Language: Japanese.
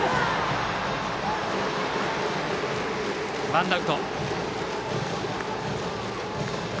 ワンアウト。